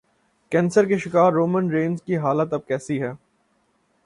cancer کے شکار Roman Reigns کی حالت اب کیسی ہے